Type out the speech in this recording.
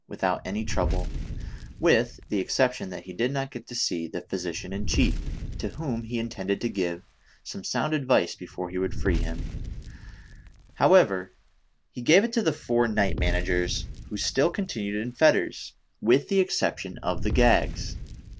without any trouble, with the exception that he did not get to see the physician in chief, to whom he intended to give some sound advice before he would free him ; however, he gave it to the four night managers, who still continued in fetters, with the exception of the gags.